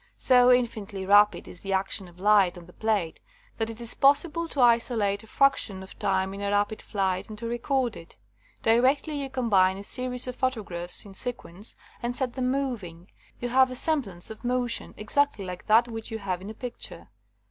So infinitely rapid is the action of light on the plate that it is possible to isolate a frac tion of time in a rapid flight and to record it. Directly you combine a series of photo graphs in sequence, and set them moving, you have a semblance of motion exactly like that which you have in a picture.